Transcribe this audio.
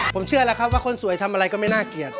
ผมเชื่อแล้วครับว่าคนสวยทำอะไรก็ไม่น่าเกลียด